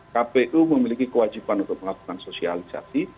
kpu memiliki kewajiban untuk melakukan sosialisasi